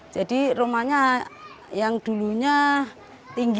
jadi rumahnya yang dulunya tinggi